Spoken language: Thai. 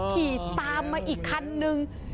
ขี่ตามมาอีกคันนึง